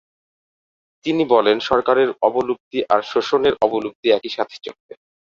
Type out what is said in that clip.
তিনি বলেন সরকারের অবলুপ্তি আর শোষণের অবলুপ্তি একই সাথে চলবে।